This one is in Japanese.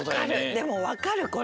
でもわかるこれ。